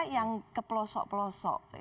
yang ke pelosok pelosok